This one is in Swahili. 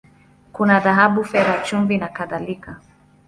Kuna dhahabu, fedha, chumvi, na kadhalika.